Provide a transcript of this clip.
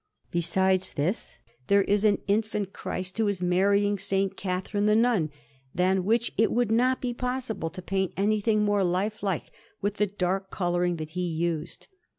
Besides this, there is an Infant Christ who is marrying S. Catherine the Nun, than which it would not be possible to paint anything more lifelike with the dark colouring that he used.